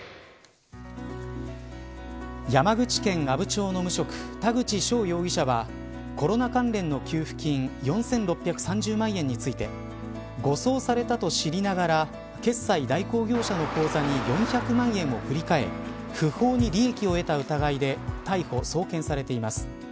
山口県阿武町の無職田口翔容疑者はコロナ関連の給付金４６３０万円について誤送されたと知りながら決済代行業者の口座に４００万円を振り替え不法に利益を得た疑いで逮捕、送検されています。